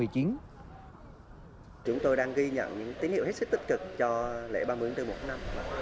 chúng tôi đang ghi nhận những tín hiệu hết sức tích cực cho lễ ba mươi tháng bốn một năm